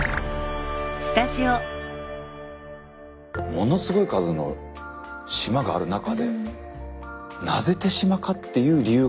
ものすごい数の島がある中でなぜ手島かっていう理由があるんだよね。